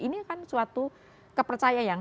ini kan suatu kepercayaan